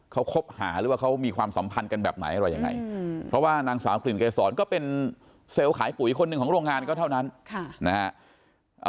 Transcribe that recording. เขาคบหาหรือว่าเขามีความสัมพันธ์กันแบบไหนอะไรยังไงเพราะว่านางสาวกลิ่นเกษรก็เป็นเซลล์ขายปุ๋ยคนหนึ่งของโรงงานก็เท่านั้นนะฮะ